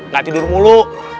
gak tidur mulu